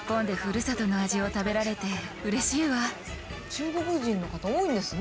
中国人の方多いんですね。